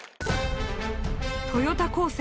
豊田高専